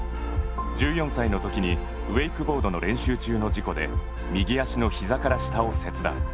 １４歳のときにウェイクボードの練習中の事故で右足のひざから下を切断。